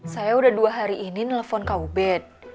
saya sudah dua hari ini nelfon kau bet